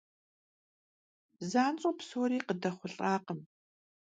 Zanş'eu psori khıdexhulh'akhım.